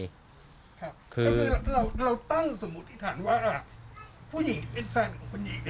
เราตั้งสมมุติฐานว่าผู้หญิงเป็นแฟนของผู้หญิงเนี่ย